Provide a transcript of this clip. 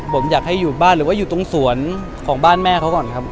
ผมอยากให้อยู่บ้านหรือว่าอยู่ตรงสวนของบ้านแม่เขาก่อนครับ